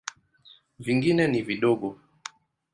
Vingine ni vidogo.